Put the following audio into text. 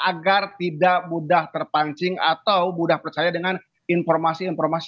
agar tidak mudah terpancing atau mudah percaya dengan informasi informasi